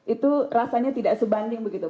itu rasanya tidak sebanding begitu